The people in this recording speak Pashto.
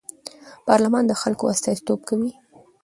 پارلمان د خلکو استازیتوب کوي